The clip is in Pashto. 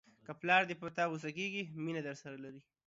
که پلار دې په تا غوسه کېږي مینه درسره لري.